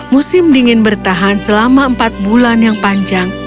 musim dingin bertahan selama empat bulan yang panjang